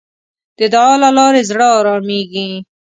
د دعا له لارې زړه آرامېږي.